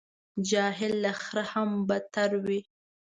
جاهل له خره هم بدتر وي.